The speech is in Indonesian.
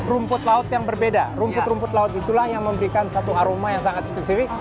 rumput laut yang berbeda rumput rumput laut itulah yang memberikan satu aroma yang sangat spesifik